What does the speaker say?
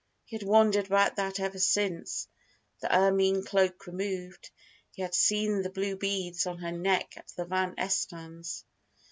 He had wondered about that ever since, the ermine cloak removed, he had seen the blue beads on her neck at the Van Estens'.